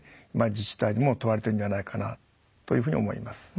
自治体でも問われてるんではないかなというふうに思います。